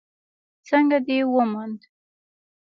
_څنګه دې وموند؟